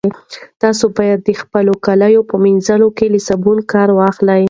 تاسي باید د خپلو کاليو په مینځلو کې له صابون کار واخلئ.